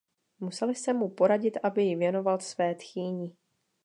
Musel jsem mu poradit, aby ji věnoval své tchýni.